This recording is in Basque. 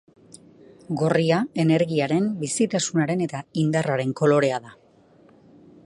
Gorria energiaren, bizitasunaren eta indarraren kolorea da.